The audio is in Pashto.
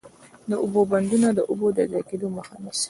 د اوبو بندونه د اوبو د ضایع کیدو مخه نیسي.